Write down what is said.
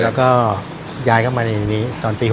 แล้วก็ย้ายเข้ามาในนี้ตอนปี๖๐